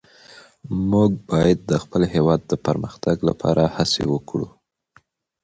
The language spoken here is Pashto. موږ باید د خپل هېواد د پرمختګ لپاره هڅې وکړو.